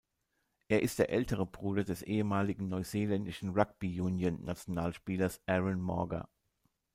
Er ist der ältere Bruder des ehemaligen neuseeländischen Rugby-Union-Nationalspielers Aaron Mauger.